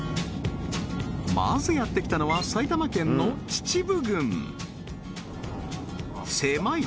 まずやってきたのは埼玉県の秩父郡せまい